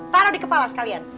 taruh di kepala sekalian